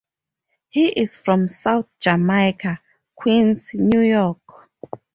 He is from South Jamaica, Queens, New York.